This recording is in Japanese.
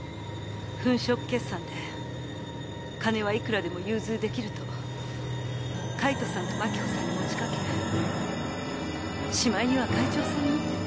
粉飾決算で金はいくらでも融通出来ると海人さんと真紀子さんに持ちかけしまいには会長さんに。